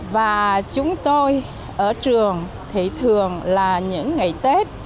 và chúng tôi ở trường thì thường là những ngày tết